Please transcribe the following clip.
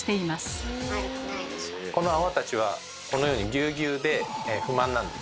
この泡たちはこのようにぎゅうぎゅうで不満なんです。